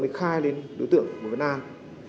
mới khai lên đối tượng bùi văn an